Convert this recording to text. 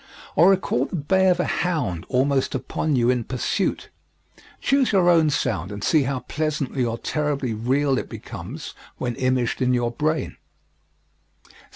Or recall the bay of a hound almost upon you in pursuit choose your own sound, and see how pleasantly or terribly real it becomes when imaged in your brain.